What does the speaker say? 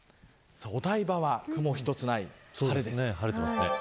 お台場は雲一つない晴れです。